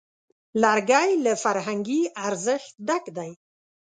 لرګی له فرهنګي ارزښت ډک دی.